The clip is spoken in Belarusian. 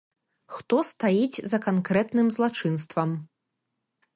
Хто стаіць за канкрэтным злачынствам.